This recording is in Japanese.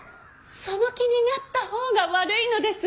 その気になった方が悪いのです。